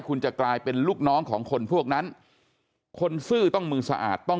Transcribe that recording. คุณจะกลายเป็นลูกน้องของคนพวกนั้นคนซื่อต้องมือสะอาดต้อง